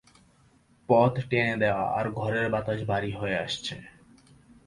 পদ টেনে দেয়া, ঘরের বাতাস ভারি হয়ে আছে।